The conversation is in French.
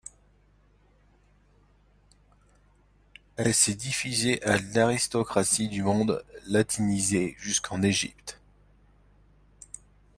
Elle s'est diffusée à l'aristocratie du monde latinisé, jusqu'en Égypte.